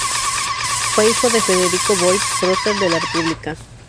Fue hijo de Federico Boyd, prócer de la república.